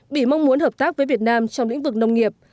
bỉ mong muốn hợp tác với việt nam trong lĩnh vực nông nghiệp